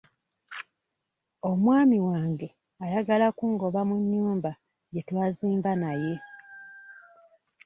Omwami wange ayagala kungoba mu nnyumba gye twazimba naye.